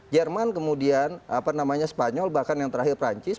jerman kemudian apa namanya spanyol bahkan yang terakhir perancis